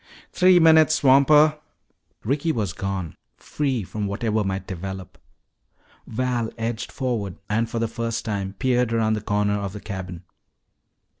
"Three minutes, swamper!" Ricky was gone, free from whatever might develop. Val edged forward and for the first time peered around the corner of the cabin.